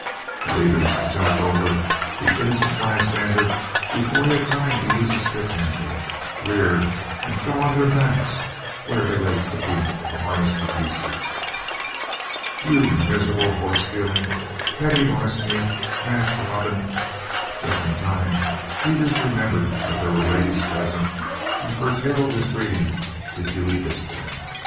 The leaders jumped over "the Innocent Bystander" before he had time to use his pickhandle, reared and fell on their backs, where they lay kicking the harness to pieces. "You miser'ble horse stealin', petty larceny, cache robbin' " just in time Teeters remembered that there were ladies present and curtailed his greeting to Hughie Disston.